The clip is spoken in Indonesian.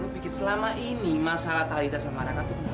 lo pikir selama ini masalah talita sama raka tuh